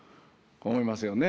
思いますよね。